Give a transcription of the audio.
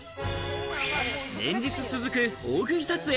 連日続く、大食い撮影。